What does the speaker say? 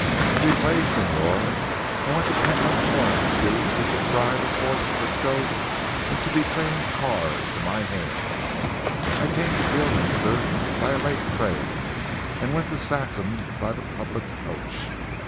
To be plain Señor, I went to Pentland Corn, to see if he could bribe or force Frisco into betraying Carr into my hands. I came to Beorminster by a late train, and went to Saxham by the public coach.